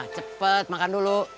cepet makan dulu